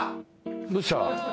どうした？